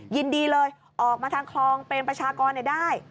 ยินดีเลยออกมาทางคลองเป็นประชากรได้